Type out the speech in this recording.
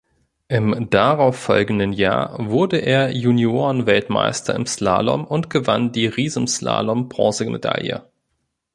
Im darauf folgenden Jahr wurde er Juniorenweltmeister im Slalom und gewann die Riesenslalom-Bronzemedaille.